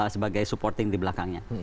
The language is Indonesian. sebagai supporting di belakangnya